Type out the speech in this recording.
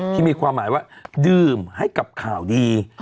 ที่มีความหมายว่าดื่มให้กับข่าวดี